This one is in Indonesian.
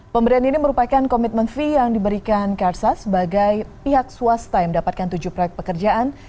pemberian ini merupakan komitmen fee yang diberikan karsas sebagai pihak swasta yang mendapatkan tujuh proyek pekerjaan